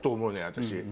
私。